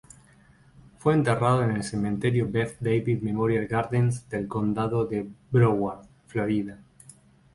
Fue enterrado en el Cementerio Beth David Memorial Gardens del Condado de Broward, Florida.